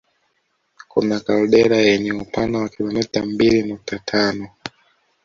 Kuna kaldera yenye upana wa kilomita mbili nukta tano